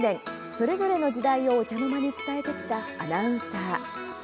それぞれの時代をお茶の間に伝えてきたアナウンサー。